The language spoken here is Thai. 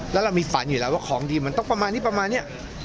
แล้วเรามีฝันอยู่แล้วว่าของดีมันต้องประมาณนี้ประมาณนี้